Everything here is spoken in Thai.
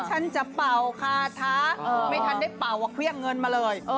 ฉันจะเป่าคาถาไม่ทันได้เป่าเครื่องเงินมาเลย